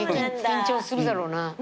緊張するだろうな。